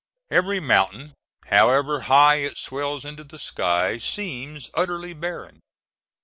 Every mountain, however high it swells into the sky, seems utterly barren.